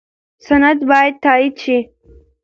سند باید تایید شي.